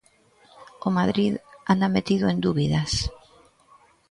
O Madrid anda metido en dúbidas.